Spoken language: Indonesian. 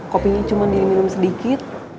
kopinya cuma diminum sedikit